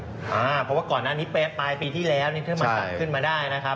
เพราะว่าก่อนนั้นปลายปีที่แล้วเครื่องมันสั่งขึ้นมาได้